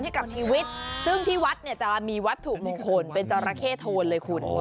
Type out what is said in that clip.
ใช่ไงพูดผิดพูดผิดตรงนั้น